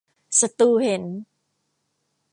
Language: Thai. ศัตรูเห็น !